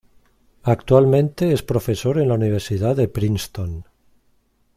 Actualmente es profesor en la Universidad de Princeton.